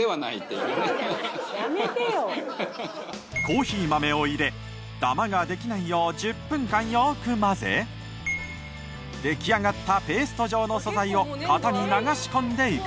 コーヒー豆を入れだまができないよう１０分間よく混ぜ出来上がったペースト状の素材を型に流し込んでいく。